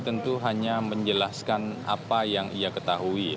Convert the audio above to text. tentu hanya menjelaskan apa yang ia ketahui